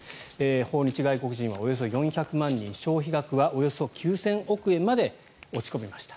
訪日外国人はおよそ４００万人消費額はおよそ９０００億円まで落ち込みました。